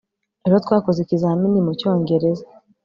ejo twakoze ikizamini mucyongereza